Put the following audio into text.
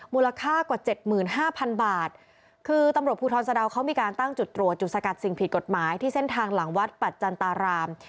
มูลค่ากว่าเจ็ดหมื่นห้าพันบาทคือตำรวจภูทรสะดาวเขามีการตั้งจุดตรวจจุดสกัดสิ่งผิดกฎหมายที่เส้นทางหลังวัดปัจจันตราราม